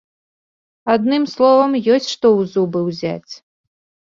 Адным словам, ёсць што ў зубы ўзяць.